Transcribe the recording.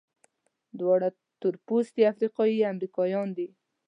دواړه تورپوستي افریقایي امریکایان دي.